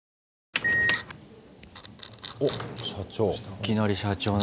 おっ社長。